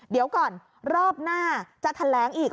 เดี๋ยวก่อนรอบหน้าจะแถลงอีก